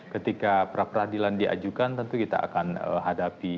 ketika pra peradilan diajukan tentu kita akan hadapi